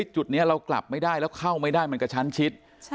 จุดนี้เรากลับไม่ได้แล้วเข้าไม่ได้มันกระชั้นชิด